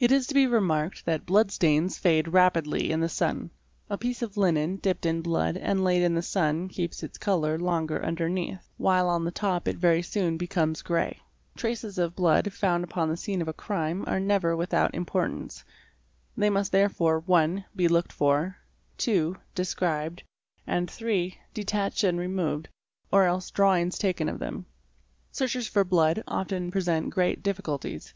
It is to be remarked that blood stains fade rapidly in the sun®®, A piece of linen dipped in blood and laid in the sun keeps its colour longer underneath, while on the top it very soon becomes grey %", Traces of blood, found upon the scene of a crime, are never without importance ; they must therefore (1) be looked for, (2) described, and (3) detacued and removed, or else drawings taken of them. Searches for blood often present great difficulties.